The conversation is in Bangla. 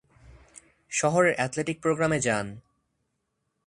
শহরের এথলেটিক প্রোগ্রামে যান।